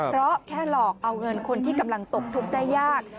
เพราะแค่หลอกเอาเงินคนที่กำลังตกทุกข์ได้ยาก